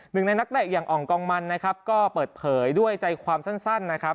หนึ่งในนักเตะอย่างอ่องกองมันนะครับก็เปิดเผยด้วยใจความสั้นนะครับ